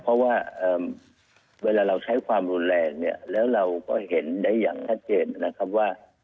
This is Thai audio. เพราะว่าเวลาเราใช้ความรุนแรงเนี่ยแล้วเราก็เห็นได้อย่างชัดเจนนะครับว่า